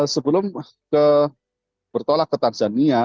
sebelum bertolak ke tanzania